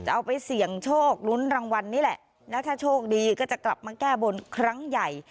เอาไปเสี่ยงโชคลุ้นรางวัลนี่แหละแล้วถ้าโชคดีก็จะกลับมาแก้บนครั้งใหญ่